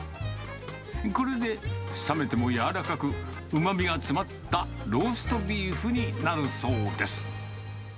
これで冷めても柔らかく、うまみが詰まったローストビーフになるそうです。